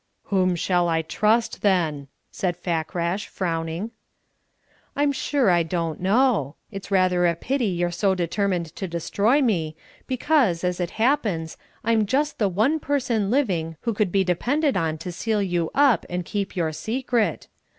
"Whom shall I trust, then?" said Fakrash, frowning. "I'm sure I don't know. It's rather a pity you're so determined to destroy me, because, as it happens, I'm just the one person living who could be depended on to seal you up and keep your secret.